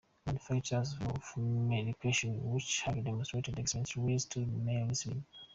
manufacturers of medications which have demonstrated excellent leads to males with .